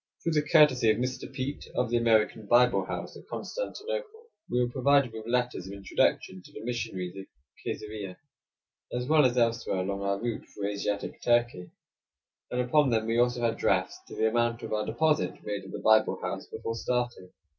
Through the courtesy of Mr. Peet of the American Bible House at Constantinople, we were provided with letters of introduction to the missionaries at Kaisarieh, as well as elsewhere along our route through Asiatic Turkey, and upon them we also had drafts to the amount of our deposit made at the Bible House before starting.